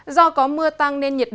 do có mưa tăng nên nhiệt độ